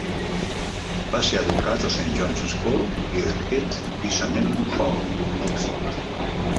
Va ser educat a Saint John's School, Leatherhead i Saint Edmund Hall, Oxford.